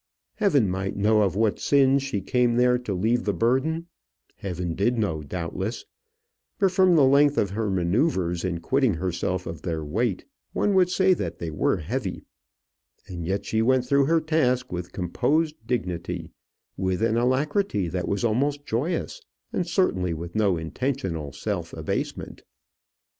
Heaven might know of what sins she came there to leave the burden: heaven did know, doubtless; but from the length of her manoeuvres in quitting herself of their weight, one would say that they were heavy; and yet she went through her task with composed dignity, with an alacrity that was almost joyous, and certainly with no intentional self abasement.